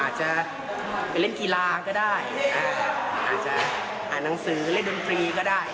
อาจจะไปเล่นกีฬาก็ได้อาจจะอ่านหนังสือเล่นดนตรีก็ได้